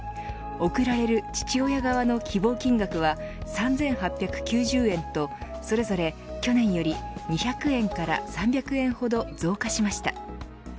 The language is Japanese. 送られる父親側の希望金額は３８９０円とそれぞれ去年より２００円から３００円ほど増加しました。